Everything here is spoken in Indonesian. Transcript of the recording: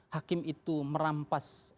hakim itu merampas